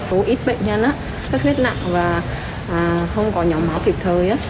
có ít bệnh nhân á xuất huyết nặng và không có nhỏ máu kịp thời á